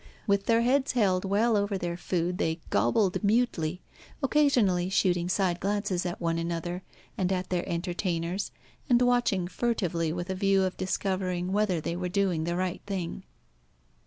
With their heads held well over their food they gobbled mutely, occasionally shooting side glances at one another and at their entertainers, and watching furtively with a view of discovering whether they were doing the right thing.